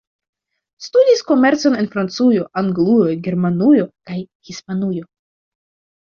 Studis komercon en Francujo, Anglujo, Germanujo kaj Hispanujo.